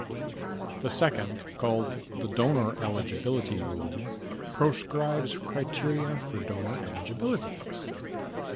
The second, called the "Donor Eligibility" rule, proscribes criteria for donor eligibility.